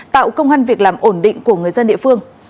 tạo công an việc làm ổn định của người dân địa phương